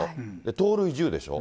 盗塁１０でしょ。